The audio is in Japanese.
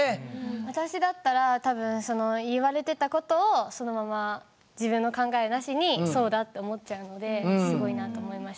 私だったら多分言われてた事をそのまま自分の考えなしにそうだって思っちゃうのですごいなと思いました。